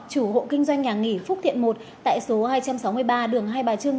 chủ hộ kinh doanh nhà nghỉ phúc thiện một tại số hai trăm sáu mươi ba đường hai bà trưng